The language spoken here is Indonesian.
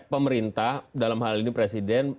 pemerintah dalam hal ini presiden